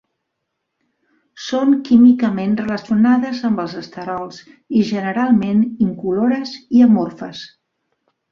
Són químicament relacionades amb els esterols, i generalment incolores i amorfes.